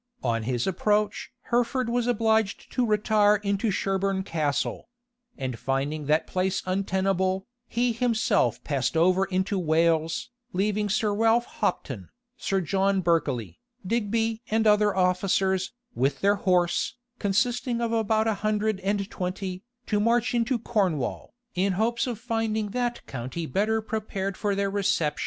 On his approach Hertford was obliged to retire into Sherborne Castle; and finding that place untenable, he himself passed over into Wales, leaving Sir Ralph Hopton, Sir John Berkeley, Digby and other officers, with their horse, consisting of about a hundred and twenty, to march into Cornwall, in hopes of finding that county better prepared for their reception.